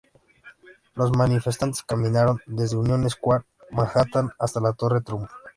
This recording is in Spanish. Los manifestantes caminaron desde Union Square, Manhattan hasta la Torre Trump.